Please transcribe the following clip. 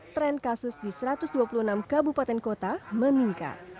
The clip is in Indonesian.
tren kasus di satu ratus dua puluh enam kabupaten kota meningkat